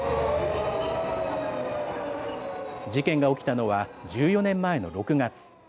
事件が起きたのは１４年前の６月。